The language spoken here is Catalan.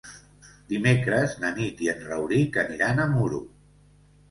Dimecres na Nit i en Rauric aniran a Muro.